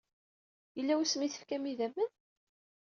Yella wasmi ay tefkam idammen?